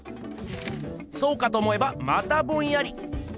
そうかと思えばまたボンヤリ。